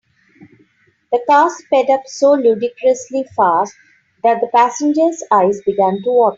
The car sped up so ludicrously fast that the passengers eyes began to water.